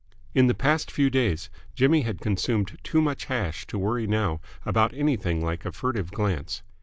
In the past few days Jimmy had consumed too much hash to worry now about anything like a furtive glance.